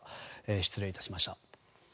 失礼いたしました。